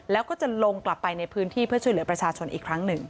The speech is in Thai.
แล้วก็จะลงกลับไปในพื้นที่เพื่อช่วยเหลือประชาชนอีกครั้งหนึ่ง